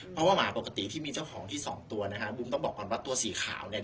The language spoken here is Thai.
เพราะว่าหมาปกติที่มีเจ้าของที่สองตัวนะฮะบุ๋มต้องบอกก่อนว่าตัวสีขาวเนี่ย